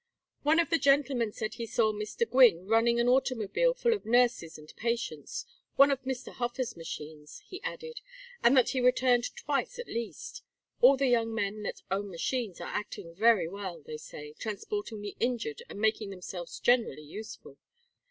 "One of the gentlemen said he saw Mr. Gwynne running an automobile full of nurses and patients one of Mr. Hofer's machines," he added. "And that he returned twice at least. All the young men that own machines are acting very well, they say, transporting the injured, and making themselves generally useful.